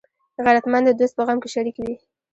غیرتمند د دوست په غم کې شریک وي